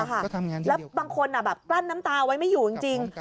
แล้วบางคนกลั้นน้ำตาเอาไว้ไม่อยู่จริง